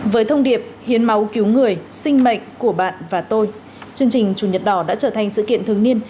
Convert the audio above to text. với thông điệp hiến máu cứu người sinh mệnh của bạn và tôi chương trình chủ nhật đỏ đã trở thành sự kiện thường niên